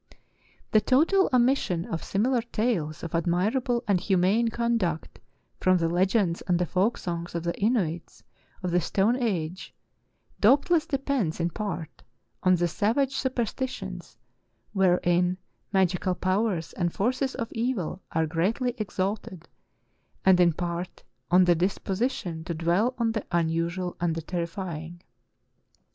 The total omission of similar tales of admirable and humane conduct from the legends and the folk songs of the Inuits of the stone age doubtless depends in part on the savage superstitions, wherein magical powers and forces of evil are greatly exalted, and in The Inuit Survivors of the Stone Age 345 part on the disposition to dwell on the unusual and the terrifying.